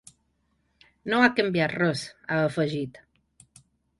No ha canviat res, ha afegit.